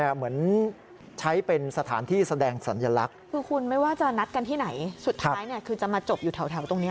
หรือว่าจะนัดกันที่ไหนสุดท้ายคือจะมาจบอยู่แถวตรงนี้